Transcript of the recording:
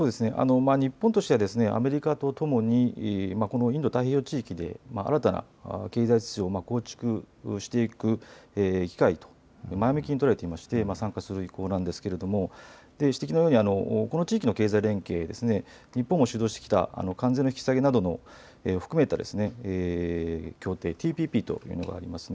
日本としてはアメリカとともにインド太平洋地域で新たな経済秩序を構築していく機会と前向きに捉えていまして参加する意向なんですがご指摘のようにこの地域の経済連携、日本が主導してきた関税の引き下げなども含めた協定、ＴＰＰというものがあります。